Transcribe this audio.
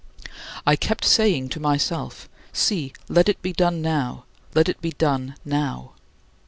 I kept saying to myself, "See, let it be done now; let it be done now."